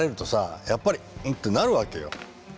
やっぱり「んっ」ってなるわけよ。